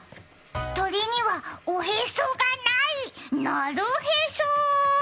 鳥には、おへそがない、なるへそ。